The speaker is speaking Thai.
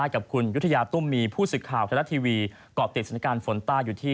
กรอบทรัพย์สนักรรมฝนต้ายอยู่ที่